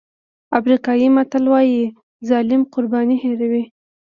افریقایي متل وایي ظالم قرباني هېروي.